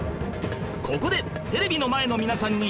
ここでテレビの前の皆さんにヒント